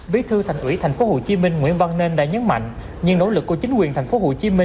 bí thư thành ủy tp hcm nguyễn văn nên đã nhấn mạnh những nỗ lực của chính quyền tp hcm